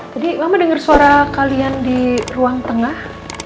tadi mama denger suara kalian di ruang tengah